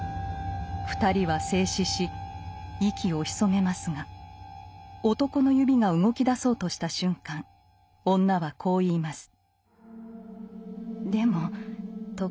２人は静止し息を潜めますが男の指が動きだそうとした瞬間女はこう言います。